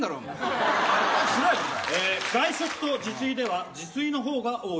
外食と自炊では自炊のほうが多い